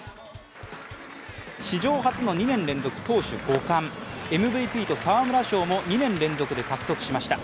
史上初の２年連続投手５冠、ＭＶＰと沢村賞も２年連続で獲得しました。